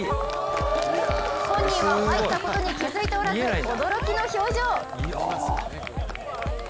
本人は入ったことに気づいておらず驚きの表情。